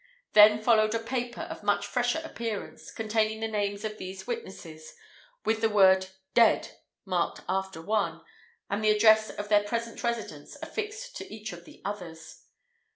Then followed a paper of a much fresher appearance, containing the names of these witnesses, with the word dead marked after one, and the address of their present residence affixed to each of the others.